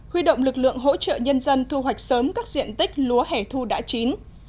huy động lực lượng hỗ trợ nhân dân thu hoạch sớm các diện tích lúa hẻ thu đã chín